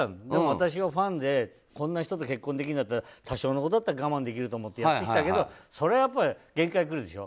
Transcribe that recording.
私はファンでこんな人と結婚できるなら多少のことは我慢できると思ってやってきたけどそれは限界がくるでしょ。